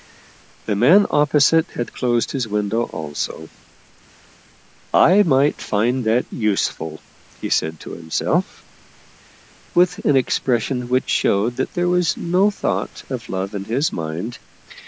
The man opposite had closed his window also. " I might find that useful," he said to himself, with an expression which showed that there was no thought of love in his mind.